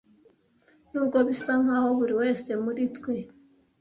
Nubwo bisa nkaho buri wese muri twe